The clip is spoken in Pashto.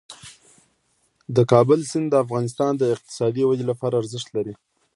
د کابل سیند د افغانستان د اقتصادي ودې لپاره ارزښت لري.